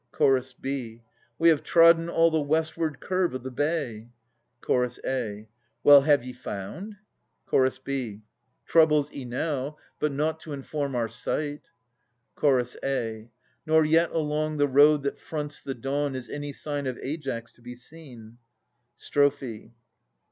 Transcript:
Ch. b. We have trodden all the westward curve o' the bay. Ch. A. Well, have ye found? Ch. b. Troubles enow, but nought to inform our sight. Ch. a. Nor yet along the road that fronts the dawn Is any sign of Aias to be seen. Strophe.